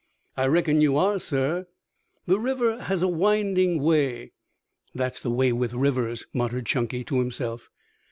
"I reckon you are, sir." "The river has a winding way " "That's the way with rivers," muttered Chunky to himself.